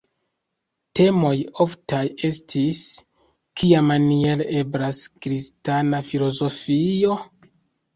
Temoj oftaj estis: kiamaniere eblas kristana filozofio?